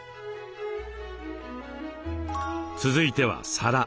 続いては皿。